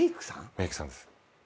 メークさんです。